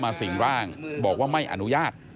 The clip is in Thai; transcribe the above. สิ่งร่างบอกว่าไม่อนุญาต